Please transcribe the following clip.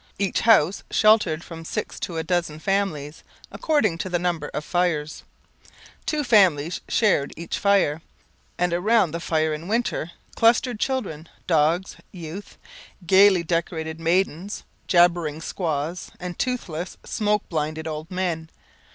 Each house sheltered from six to a dozen families, according to the number of fires. Two families shared each fire, and around the fire in winter clustered children, dogs, youths, gaily decorated maidens, jabbering squaws, and toothless, smoke blinded old men.